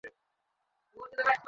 কেন্দ্রস্থল ভেঙে গেছে।